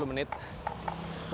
udah ganti tangan